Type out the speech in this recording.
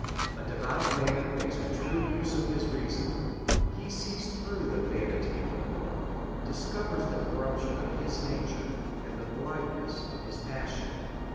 A devout man makes a true use of his reason ; he sees through the vanity of the world, discovers the corruption of his nature, and the blind ness of his passions.